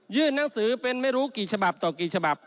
หนังสือเป็นไม่รู้กี่ฉบับต่อกี่ฉบับ